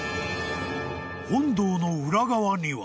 ［本堂の裏側には］